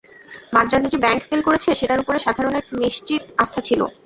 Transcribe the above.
মাদ্রাজে যে bank fail করেছে সেটার উপরে সাধারণের নিশ্চিত আস্থা ছিল।